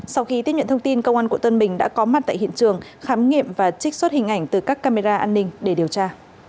sau khi tiếp nhận thông tin công an quận tân bình đã có mặt tại hiện trường khám nghiệm và trích xuất hình ảnh từ các camera an ninh để điều tra